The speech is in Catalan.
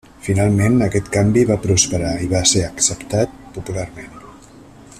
Finalment aquest canvi va prosperar i va ser acceptat popularment.